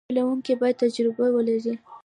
چلوونکی باید تجربه ولري.